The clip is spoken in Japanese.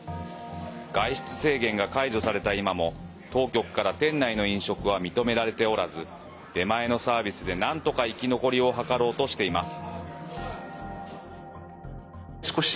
外出制限が解除された今も当局から店内の飲食は認められておらず出前のサービスでなんとか生き残りを図ろうとしています。